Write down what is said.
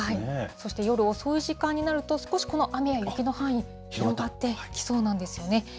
そして夜遅い時間になると、少しこの雨や雪の範囲、広がってきそうなんですよね。